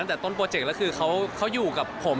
ตั้งแต่ต้นโปรเจกต์แล้วคือเขาอยู่กับผม